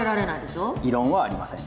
異論はありません。